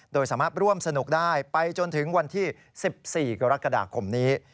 โดยสามารถร่วมสนุกได้ไปจนถึงวันที่๑๔กรกฎาคมนี้